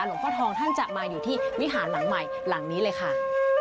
หลวงพ่อทองท่านจะมาอยู่ที่วิหารหลังใหม่หลังนี้เลยค่ะ